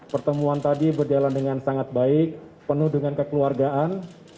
pertemuan tadi berjalan dengan sangat baik penuh dengan kekeluargaan